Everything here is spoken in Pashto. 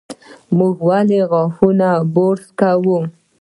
موږ ولې غاښونه برس کوو؟